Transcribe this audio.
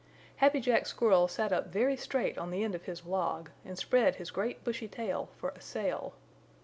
Happy Jack Squirrel sat up very straight on the end of his log and spread his great bushy tail for a sail.